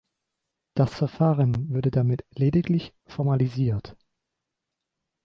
Das Verfahren würde damit lediglich formalisiert.